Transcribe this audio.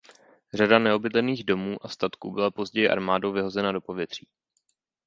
Řada neobydlených domů a statků byla později armádou vyhozena do povětří.